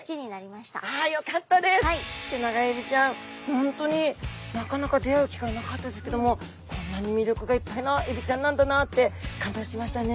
本当になかなか出会う機会なかったですけどもこんなに魅力がいっぱいのエビちゃんなんだなって感動しましたね！